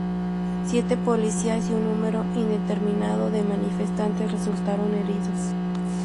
Siete policías y un número indeterminado de manifestantes resultaron heridos.